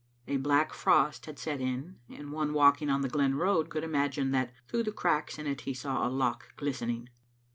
A black frost had set in, and one walking on the glen road could imagine that through the cracks in it he saw a loch glistening.